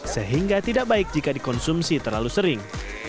sehingga tidak baik jika dikonsumsi terlalu sering